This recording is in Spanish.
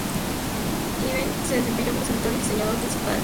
Levine se desempeñó como escritor y diseñador principal.